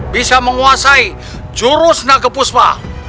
bisa menguasai jurus nake puspa